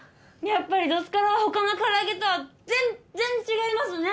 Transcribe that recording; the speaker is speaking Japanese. やっぱりどすからは他のからあげとは全然違いますね。